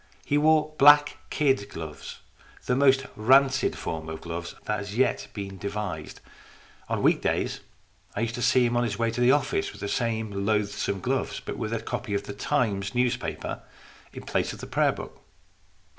He wore black kid gloves, the most rancid form of gloves that has yet been devised. On week days I used to see him on his way to the office with the same loathsome gloves, but with a copy of the Times newspaper in place of the prayer book.